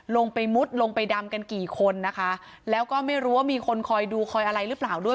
ลงไปมุดลงไปดำกันกี่คนนะคะแล้วก็ไม่รู้ว่ามีคนคอยดูคอยอะไรหรือเปล่าด้วย